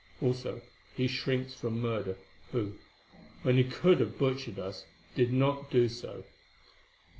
Also, he shrinks from murder, who, when he could have butchered us, did not do so."